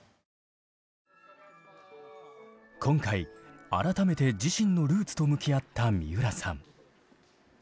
今回改めて自身のルーツと向き合った三浦さん。